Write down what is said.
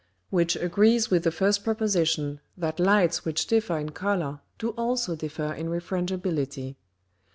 Which agrees with the first Proposition, that Lights which differ in Colour, do also differ in Refrangibility.